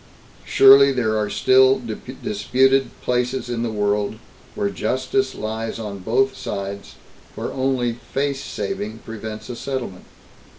Surely there are still disputed places in the world, where justice lies on both sides, where only 'face saving' prevents a settlement.